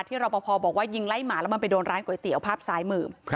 รอปภบอกว่ายิงไล่หมาแล้วมันไปโดนร้านก๋วยเตี๋ยวภาพซ้ายมือ